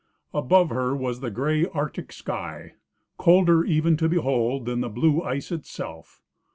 199 Above her was the gray Arctic sky, colder even to behold than the blue ice itself.